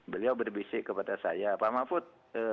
beliau berbisik kepada saya pak mahfud